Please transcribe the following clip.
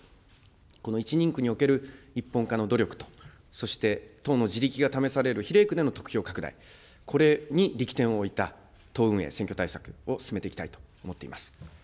この１人区における一本化の努力と、そして党の地力が試される比例区での得票拡大、これに力点を置いた党運営、選挙対策を進めていきたいと思っています。